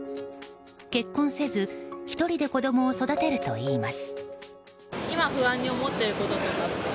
結婚せず１人で子供を育てるといいます。